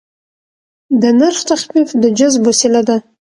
د نرخ تخفیف د جذب وسیله ده.